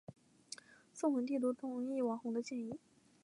宋文帝都同意王弘的建议。